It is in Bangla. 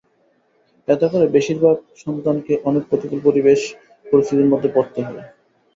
এতে করে বেশির ভাগ সন্তানকে অনেক প্রতিকূল পরিবেশ-পরিস্থিতির মধ্যে পড়তে হয়।